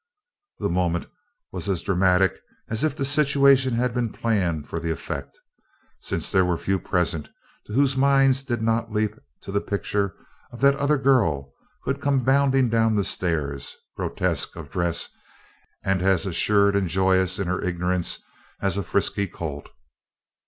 The moment was as dramatic as if the situation had been planned for the effect, since there were few present to whose minds did not leap to the picture of that other girl who had come bounding down the stairs, grotesque of dress and as assured and joyous in her ignorance as a frisky colt.